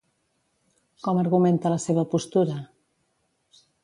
Com argumenta la seva postura?